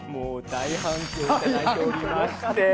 大反響いただいておりまして。